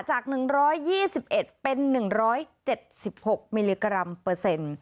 จาก๑๒๑เป็น๑๗๖มิลลิกรัมเปอร์เซ็นต์